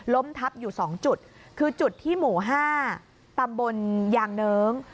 ล้มทับอยู่สองจุดคือจุดที่หมู่ห้าตำบนยางเนิ้ง